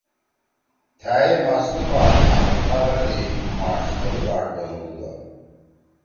تھأ ئے ماسلوباٹ آں مُوٹھا بندی ”ماݜ تھلُو باٹ“ بنُودُودا۔